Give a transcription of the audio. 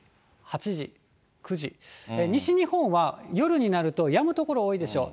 西日本は夜になると雨やむ所が多いでしょう。